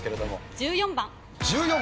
１４番！